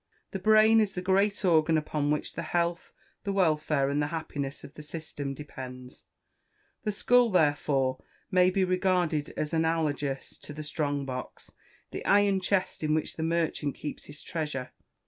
The brain is the great organ upon which the health, the welfare, and the happiness of the system depends. The skull, therefore, may be regarded as analogous to the "strong box," the iron chest in which the merchant keeps his treasure.